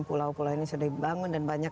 pulau pulau ini sudah dibangun dan banyak